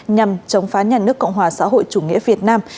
nhằm chống phá nhà nước cộng hòa xã hội chủ nghĩa việt nam